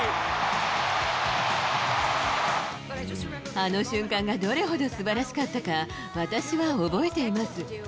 あの瞬間がどれほどすばらしかったか、私は覚えています。